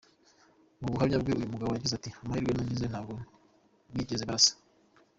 Mu buhamya bwe uyu mugabo yagize ati “Amahirwe nagize, ntabwo bigeze barasa.